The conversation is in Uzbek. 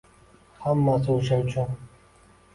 Hammasi o‘sha uchun